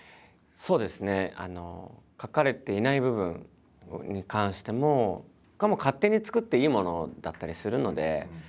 そうですね。書かれていない部分に関してもこれはもう勝手に作っていいものだったりするので。